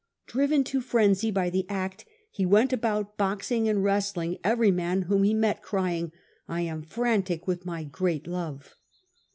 Driven to frenzy by the act^ he went about boxing and wrestling every man whom he met, crying, *'1 am frantic with my great love."